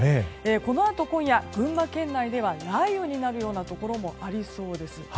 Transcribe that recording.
このあと今夜、群馬県内では雷雨になるようなところもありそうです。